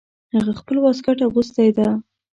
هغه خپل واسکټ اغوستی ده